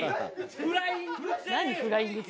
フライングＪ。